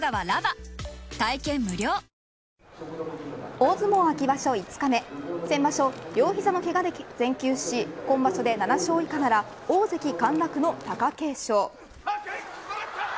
大相撲秋場所５日目先場所、両膝のけがで全休し今場所で７勝以下なら大関陥落の貴景勝。